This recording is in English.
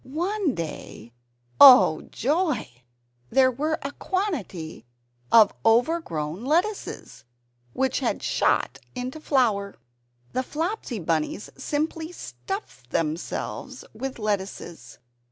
One day oh joy! there were a quantity of overgrown lettuces, which had "shot" into flower. The Flopsy Bunnies simply stuffed themselves with lettuces.